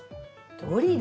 ドリル？